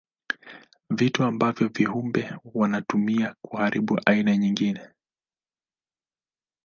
Vitu ambavyo viumbe wanatumia kuharibu aina nyingine.